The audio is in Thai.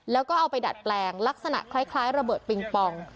แล้วก็เอาไปดัดแปลงลักษณะคล้ายระเบิดปิงปอง